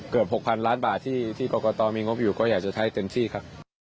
เกือบ๖๐๐๐ล้านบาทที่กรกตมีงบอยู่ก็อยากจะใช้เต็มที่ครับ